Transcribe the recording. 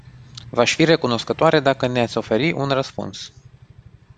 V-aș fi recunoscătoare dacă ne-ați oferi un răspuns.